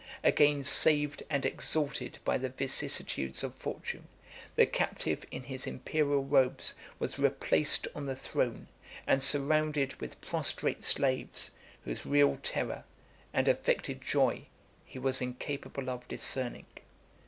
Again saved and exalted by the vicissitudes of fortune, the captive in his Imperial robes was replaced on the throne, and surrounded with prostrate slaves, whose real terror and affected joy he was incapable of discerning.